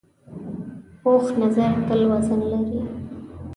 پوخ نظر تل وزن لري